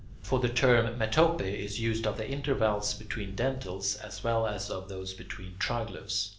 For the term "metope" is used of the intervals between dentils as well as of those between triglyphs.